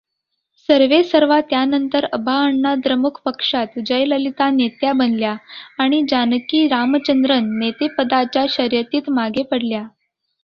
सर्वेसर्वा त्यानंतर अभाअण्णाद्रमुक पक्षात जयललिता नेत्या बनल्या आणि जानकी रामचंद्रन नेतेपदाच्या शर्यतीत मागे पडल्या.